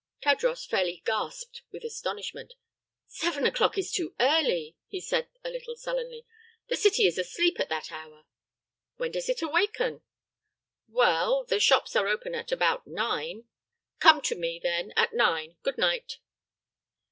Tadros fairly gasped with astonishment. "Seven o'clock is too early," he said, a little sullenly. "The city is asleep at that hour." "When does it awaken?" "Well, the shops are open at about nine." "Come to me, then, at nine. Good night."